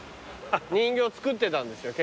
人形作ってたんですよ